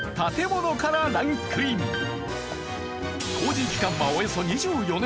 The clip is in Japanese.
工事期間はおよそ２４年！